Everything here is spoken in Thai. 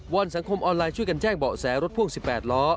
อนสังคมออนไลน์ช่วยกันแจ้งเบาะแสรถพ่วง๑๘ล้อ